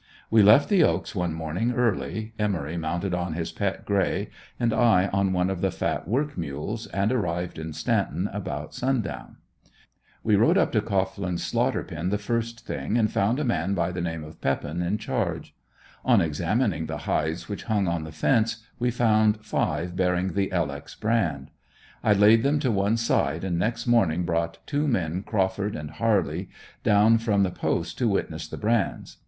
We left the "Oaks" one morning early, Emory mounted on his pet "Grey" and I on one of the fat work mules and arrived in "Stanton" about sundown. We rode up to Cohglin's slaughter pen the first thing and found a man by the name of Peppen in charge. On examining the hides which hung on the fence we found five bearing the "L. X." brand. I laid them to one side and next morning brought two men Crawford and Hurly, down from the Post to witness the brands.